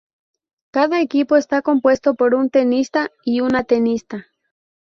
Cada equipo está compuesto por un tenista y una tenista.